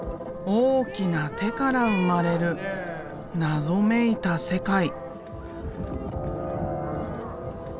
大きな手から生まれる謎めいた世界。